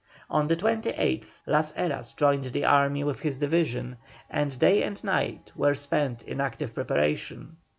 On the 28th Las Heras joined the army with his division, and day and night were spent in active preparation.